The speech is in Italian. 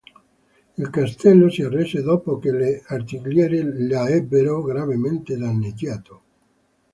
Il castello si arrese dopo che le artiglierie la ebbero gravemente danneggiato.